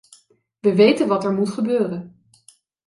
We weten wat er moet gebeuren.